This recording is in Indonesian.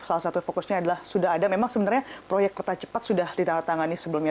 salah satu fokusnya adalah sudah ada memang sebenarnya proyek kereta cepat sudah ditandatangani sebelumnya